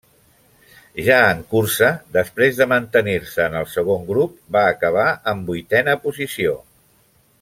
Ja en cursa, després mantenir-se en el segon grup va acabar en vuitena posició.